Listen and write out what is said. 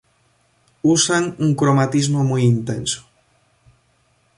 Usan un cromatismo muy intenso.